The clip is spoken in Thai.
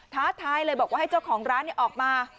ท้าทายเลยบอกว่าให้เจ้าของร้านออกมา